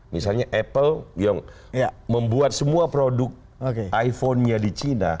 misalnya apple yang membuat semua produk iphone nya di china